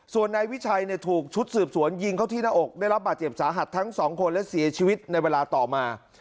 ส่วนนายวิชัยถูกชุดสืบสวนยิงเข้าที่หน้าอกได้รับบาดเจ็บสาหัสทั้งสองคนและเสียชีวิตในเวลาต่อมา